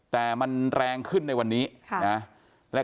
แต่มันแรงขึ้นในวันนี้นะ